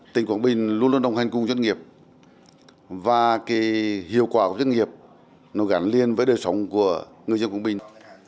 tỉnh quảng bình luôn luôn đồng hành cùng doanh nghiệp và hiệu quả của doanh nghiệp nó gắn liền với đời sống của người dân quảng bình